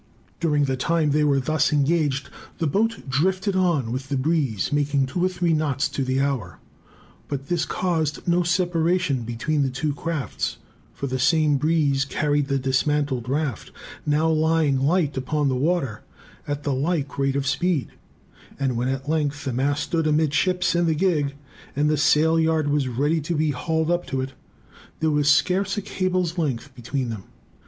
During the time they were thus engaged, the boat drifted on with the breeze, making two or three knots to the hour. But this caused no separation between the two crafts; for the same breeze carried the dismantled raft now lying light upon the water at the like rate of speed; and when at length the mast stood amidships in the gig, and the sailyard was ready to be hauled up to it, there was scarce a cable's length between them.